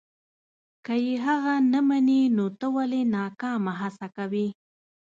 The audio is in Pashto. که یې هغه نه مني نو ته ولې ناکامه هڅه کوې.